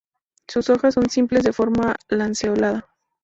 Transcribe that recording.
Sus hojas son simples, de forma lanceolada.